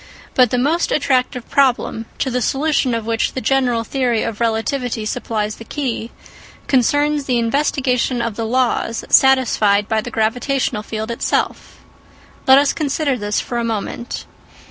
But the most attractive problem, to the solution of which the general theory of relativity supplies the key, concerns the investigation of the laws satisfied by the gravitational field itself. Let us consider this for a moment.